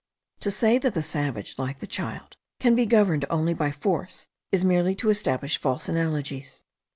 To say that the savage, like the child, can be governed only by force, is merely to establish false analogies.